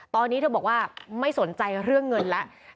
ตอนนี้เธอบอกว่าไม่สนใจเรื่องเงินแล้ว